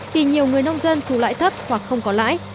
thì nhiều người nông dân thu lãi thấp hoặc không có lãi